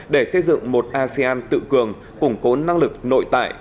để xây dựng một asean tự cường củng cố năng lực nội tại